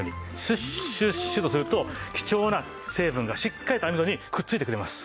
シュッシュッシュッとすると貴重な成分がしっかりと網戸にくっついてくれます。